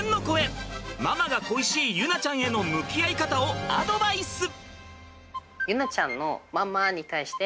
ママが恋しい結菜ちゃんへの向き合い方をアドバイス！